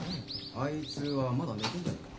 ・あいつはまだ寝てんじゃないか？